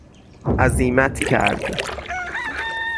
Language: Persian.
عزیمت کرد